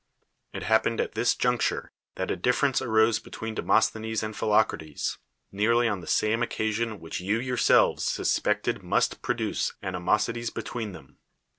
It happened at this juncture that a difl'erence arose between Demos thenes and Philocrates, nearly on tho same oc casion which you yourselves susT)eeted nmst pro duce animosities between them.